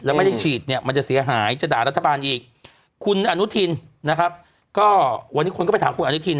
แล้วไม่ได้ฉีดเนี่ยมันจะเสียหายจะด่ารัฐบาลอีกคุณอนุทินนะครับก็วันนี้คนก็ไปถามคุณอนุทิน